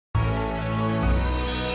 tidak ada apa apa ini semua karena mel